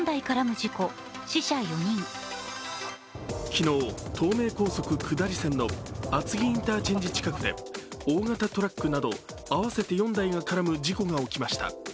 昨日、東名高速下り線の厚木インターチェンジ近くで大型トラックなど合わせて４台が絡む事故が起きました。